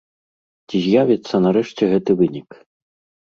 Ці з'явіцца нарэшце гэты вынік?